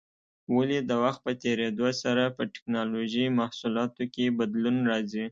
ولې د وخت په تېرېدو سره په ټېکنالوجۍ محصولاتو کې بدلون راځي؟